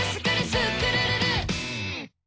スクるるる！」